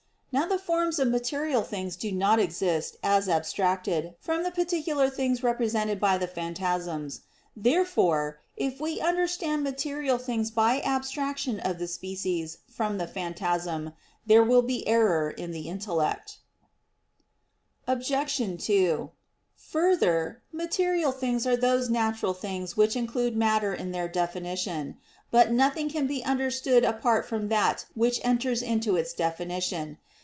Now the forms of material things do not exist as abstracted from the particular things represented by the phantasms. Therefore, if we understand material things by abstraction of the species from the phantasm, there will be error in the intellect. Obj. 2: Further, material things are those natural things which include matter in their definition. But nothing can be understood apart from that which enters into its definition.